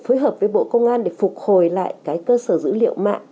phối hợp với bộ công an để phục hồi lại cái cơ sở dữ liệu mạng